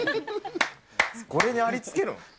これにありつけるん。